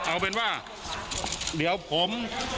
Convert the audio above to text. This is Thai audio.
เอาเป็นว่าเดี๋ยวผม